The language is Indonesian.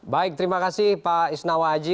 baik terima kasih pak isnawa aji